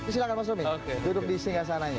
silahkan mas romi duduk di singgah sananya